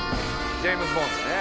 「ジェームズ・ボンドね」